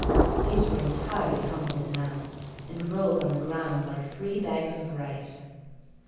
These were entirely humbled now, and rolled on the ground like three bags of rice!